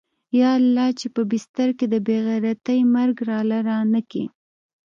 يا الله چې په بستر کې د بې غيرتۍ مرگ راله رانه کې.